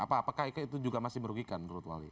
apakah itu juga masih merugikan menurut wali